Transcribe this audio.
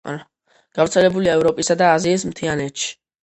გავრცელებულია ევროპისა და აზიის მთიანეთში.